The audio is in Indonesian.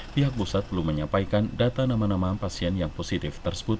pihak pusat belum menyampaikan data nama nama pasien yang positif tersebut